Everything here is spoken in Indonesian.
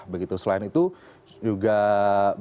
begitu selain itu juga